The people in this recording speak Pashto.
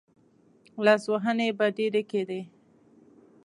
لاسوهنې به ډېرې کېدې.